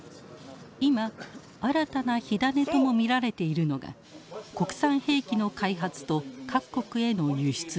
今新たな火種とも見られているのが国産兵器の開発と各国への輸出です。